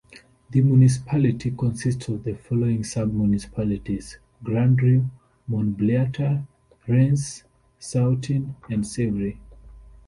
The municipality consists of the following sub-municipalities: Grandrieu, Montbliart, Rance, Sautin, and Sivry.